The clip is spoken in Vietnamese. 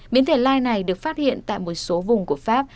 biến thể lai này được phát hiện tại một số vùng của pháp